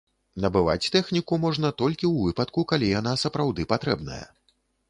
Набываць тэхніку можна толькі ў выпадку, калі яна сапраўды патрэбная.